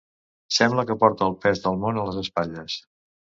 Sembla que porta el pes del món a les espatlles.